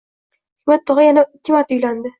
Hikmat tog`a yana ikki marta uylandi